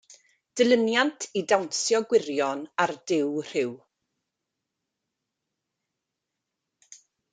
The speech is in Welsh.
Dilyniant i Dawnsio Gwirion a'r Duw Rhyw.